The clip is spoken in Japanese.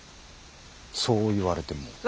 そう言われても。